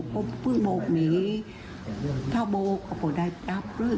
เขาเพิ่งโบกเมฆถ้าโบกก็ได้จับเลย